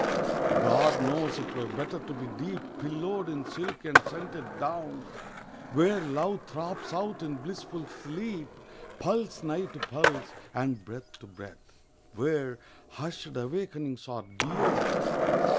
God knows 'twere better to be deep Pillowed in silk and scented down, Where Love throbs out in blissful sleep, Pulse nigh to pulse, and breath to breath, Where hushed awakenings are dear